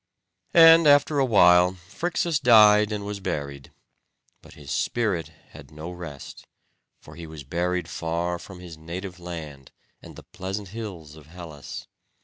And after awhile Phrixus died, and was buried, but his spirit had no rest; for he was buried far from his native land, and the pleasant hills of Hellas.